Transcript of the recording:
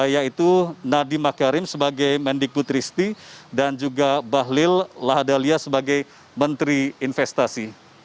yaitu nadiem maqarim sebagai mendikbut risti dan juga bahlil lahadalia sebagai menteri investasi